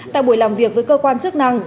tại buổi làm việc với cơ quan chức năng